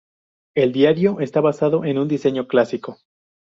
El diario está basado en un diseño clásico.